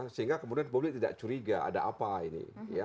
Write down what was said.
sehingga kemudian publik tidak curiga ada apa ini